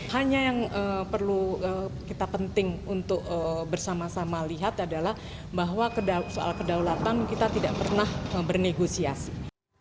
hanya yang perlu kita penting untuk bersama sama lihat adalah bahwa soal kedaulatan kita tidak pernah bernegosiasi